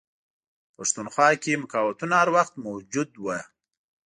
په پښتونخوا کې مقاوتونه هر وخت موجود وه.